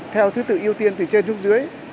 theo thứ tự ưu tiên từ trên xuống dưới